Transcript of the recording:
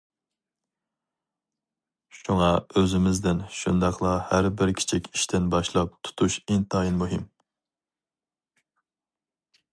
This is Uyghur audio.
شۇڭا، ئۆزىمىزدىن، شۇنداقلا ھەر بىر كىچىك ئىشتىن باشلاپ تۇتۇش ئىنتايىن مۇھىم.